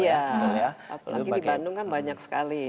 iya apalagi di bandung kan banyak sekali